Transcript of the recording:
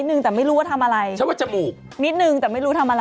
จมูกแสดงว่ารูปนั้นจมูกยังบวมอยู่จมูกยังไม่เข้าที่